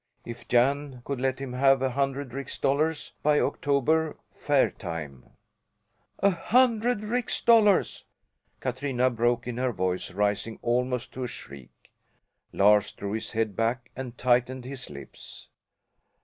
If Jan could let him have a hundred rix dollars by October fairtime "A hundred rix dollars!" Katrina broke in, her voice rising almost to a shriek. Lars drew his head back and tightened his lips.